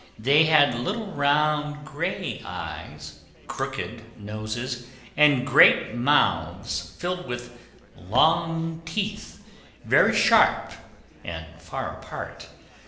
They had little round gray eyes, crooked noses, and great mouths filled with long teeth, very sharp and far apart.